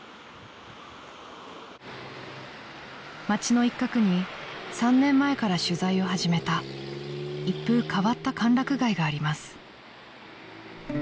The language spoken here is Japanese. ［街の一角に３年前から取材を始めた一風変わった歓楽街があります］